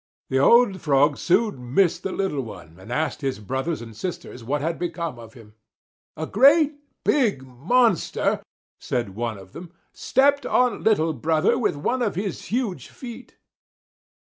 The old Frog soon missed the little one and asked his brothers and sisters what had become of him. "A great big monster," said one of them, "stepped on little brother with one of his huge feet!"